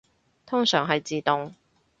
通常係自動